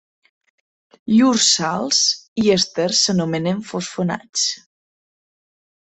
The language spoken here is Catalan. Llurs sals i èsters s'anomenen fosfonats.